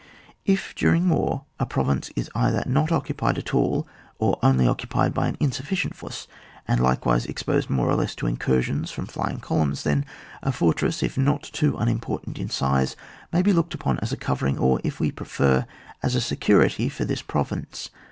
If during war a province is either not occupied at all, or only occupied by an insufficient force, and likewise exposed more or less to incursions from flying columns, then a fortress, if not too unimportant in size, may be looked upon as a covering, or, if we prefer, as a security for this pro vince.